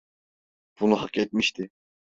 Bunu hak etmişti.